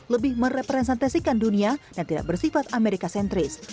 lebih merepresentasikan dunia yang tidak bersifat amerika sentris